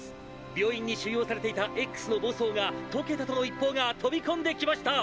病院に収容されていたＸの暴走が解けたとの一報が飛び込んできました！」